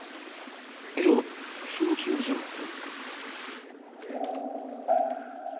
いやそんなつもりじゃなくて。